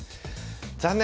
残念！